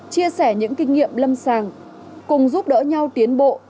chia sẻ những kinh nghiệm lâm sàng cùng giúp đỡ nhau tiến bộ